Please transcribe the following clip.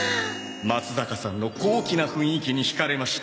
まつざかさんの高貴な雰囲気に惹かれました。